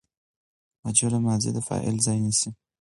مجهوله ماضي د فاعل ځای نیسي.